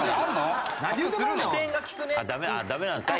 「あっダメなんですか？